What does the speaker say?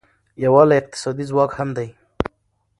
یووالی اقتصادي ځواک هم دی.